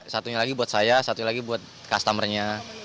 satunya lagi buat saya satu lagi buat customernya